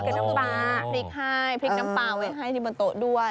พริกให้พริกน้ำปลาไว้ให้ที่มาโต๊ะด้วย